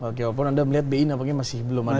oke walaupun anda melihat bi nampaknya masih belum ada